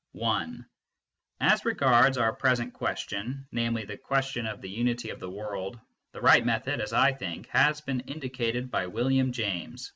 As regards our present question, namely, the question of the unity of the world, the right method, as I think, has been indicated by William James.